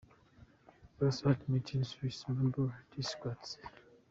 Bussard Dimitri – Suisse Meubles Descartes “”